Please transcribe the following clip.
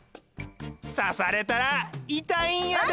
さされたらいたいんやで！